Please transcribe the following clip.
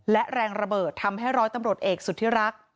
และแรงระเบิดทำให้ร้อยตำรวจเอกสุธิรักษ